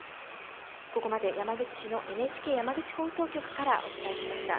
ここまで山口市のＮＨＫ山口放送局からお伝えしました。